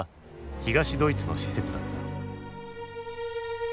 東ドイツの施設だった。